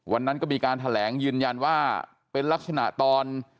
วันนั้นก็มีการแถลงยืนยันว่าเป็นลักษณะตอน